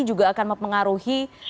juga akan mempengaruhi